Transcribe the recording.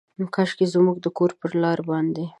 کاشکي زموږ د کور پر لاره باندې،